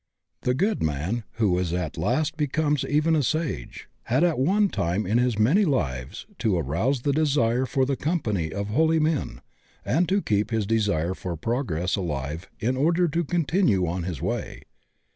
The good man who at last becomes even a sage had at one time in his many lives to arouse the desire for the company of holy men and to keep his desire for progress alive in order to continue on his way.